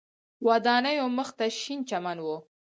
ودانیو مخ ته شین چمن و.